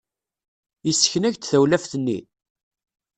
Yessken-ak-d tawlaft-nni?